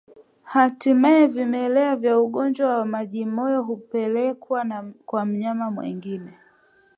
Hatimaye vimelea vya ugonjwa wa majimoyo hupelekwa kwa mnyama mwingine